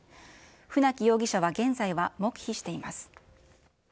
船木容疑者は、現在は黙秘しています。